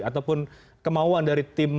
ataupun kemauan dari tim